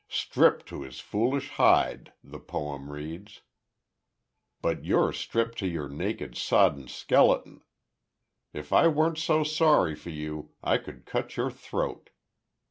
'Stripped to his foolish hide,' the poem reads. But you're stripped to your naked, sodden skeleton. If I weren't so sorry for you, I could cut your throat.